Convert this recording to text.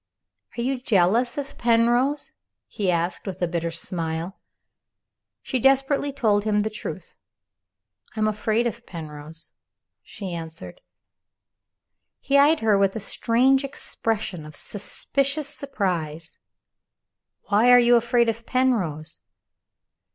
"Are you jealous of Penrose?" he asked, with a bitter smile. She desperately told him the truth. "I am afraid of Penrose," she answered. He eyed her with a strange expression of suspicious surprise. "Why are you afraid of Penrose?"